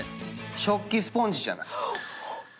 食器スポンジじゃない？